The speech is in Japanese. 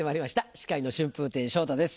司会の春風亭昇太です